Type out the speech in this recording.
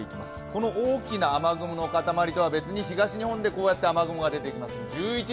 この大きな雨雲の塊とは別に東日本でこうやって雨雲が出てきます。